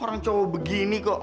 orang cowok begini kok